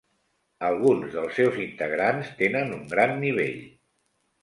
Alguns dels seus integrants tenen un gran nivell.